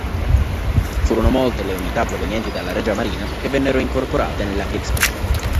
Furono molte le unità provenienti dalla Regia Marina che vennero incorporate nella Kriegsmarine.